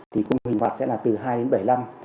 thì khung hình phạt sẽ là từ hai đến bảy năm